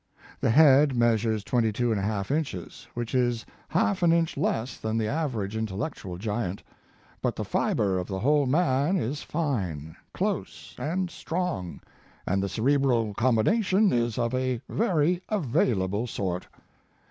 The head measures 22^2 inches, which is half an inch less than the average intellectual giant, but the fiber of the whole man is fine, close and strong, and the cerebral combination is of a very available sort.